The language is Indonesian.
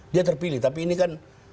dia terpilih tapi ini kan